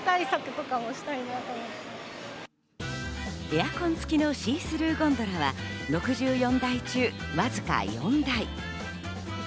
エアコンつきのシースルーゴンドラは６４台中、わずか４台。